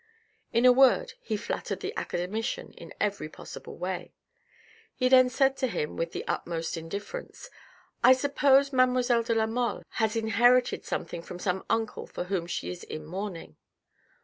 In a word he flattered the academician in every possible way. He then said to him with the utmost indifference. " I suppose mademoiselle de la Mole has inherited something from some uncle for whom she is in mourning."